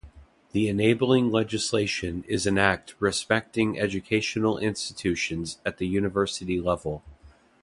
The enabling legislation is An Act respecting educational institutions at the university level.